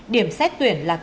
điểm xét tuyển là cơ hội